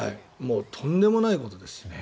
とんでもないことです。